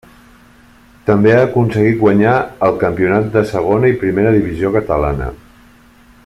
També ha aconseguit guanyar el campionat de Segona i Primera Divisió Catalana.